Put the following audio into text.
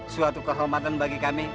suatu kehormatan bagi kami